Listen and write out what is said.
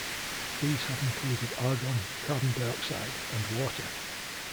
These have included argon, carbon dioxide, and water.